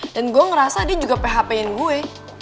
dan gue ngerasa dia juga php in gue